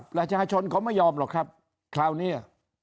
ประชาชนเขาไม่ยอมหรอกครับคราวนี้